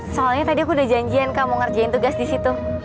soalnya tadi aku udah janjian kamu ngerjain tugas di situ